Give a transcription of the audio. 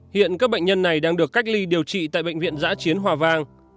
hiện các bệnh nhân này đang được cách ly điều trị tại bệnh viện giã chiến hòa vang